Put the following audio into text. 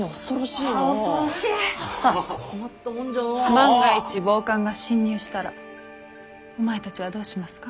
万が一暴漢が侵入したらお前たちはどうしますか？